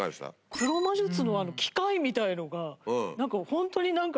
黒魔術のあの機械みたいのが何かホントに何か。